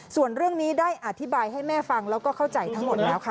ส่วนเรื่องนี้ได้อธิบายให้แม่ฟังแล้วก็เข้าใจทั้งหมดแล้วค่ะ